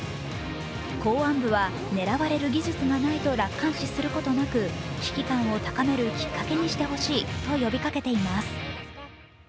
公安部は狙われる技術がないと楽観視することなく危機感を高めるきっかけにしてほしいと呼びかけています。